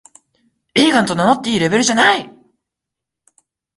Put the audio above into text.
映画と名乗っていいレベルじゃない